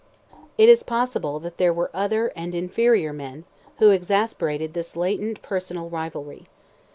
It is possible that there were other, and inferior men, who exasperated this latent personal rivalry.